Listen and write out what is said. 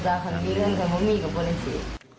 ประมาณ๒๓เมตรแต่พวกมีกับพวกนี้